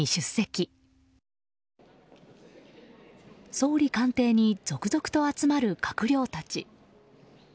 総理官邸に続々と集まる閣僚たち。